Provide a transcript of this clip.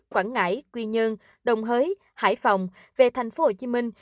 quảng ngãi quy nhơn đồng hới hải phòng về thành phố hồ chí minh